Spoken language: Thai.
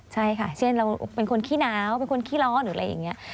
ใช่ค่ะเช่นเราเป็นคนขี้หนาวเป็นคนขี้ร้อนหรืออะไรอย่างนี้